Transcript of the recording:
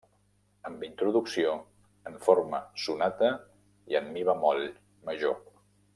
Amb introducció, en forma sonata i en mi bemoll major.